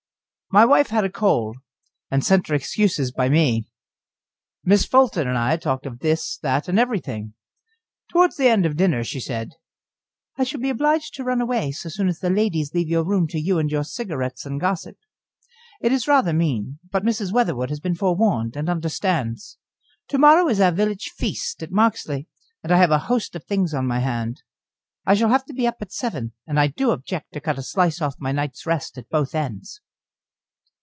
My wife had a cold, and had sent her excuses by me. Miss Fulton and I talked of this, that, and every thing. Towards the end of dinner she said: "I shall be obliged to run away so soon as the ladies leave the room to you and your cigarettes and gossip. It is rather mean, but Mrs. Weatherwood has been forewarned, and understands. To morrow is our village feast at Marksleigh, and I have a host of things on my hand. I shall have to be up at seven, and I do object to cut a slice off my night's rest at both ends."